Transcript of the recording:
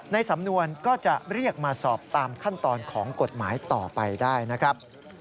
ในสำนวนก็จะเรียกมาสอบตามขั้นตอนของกฎหมายต่อไปได้นะครับ